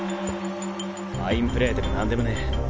ファインプレーでも何でもねぇ。